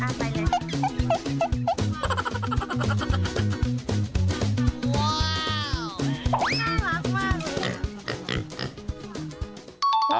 น่ารักมาก